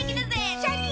シャキン！